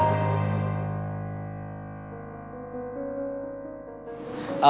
iya nggak ngerjain